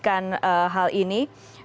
terima kasih banyak banyak